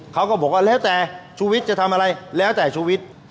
เขาก็บอกว่าแล้วแต่ชุวิตจะทำอะไรแล้วแต่ชุวิต